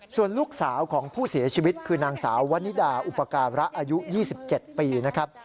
ส่วนลูกสาวของผู้เสียชีวิตคือนางสาววนิดาอุปการะอายุ๒๗ปีนะครับ